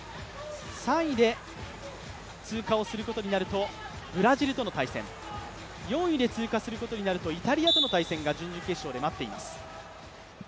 ３位で通過することになるとブラジルとの対戦、４位で通過することになるとイタリアとの対戦が準々決勝で待っています。